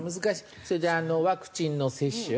それでワクチンの接種。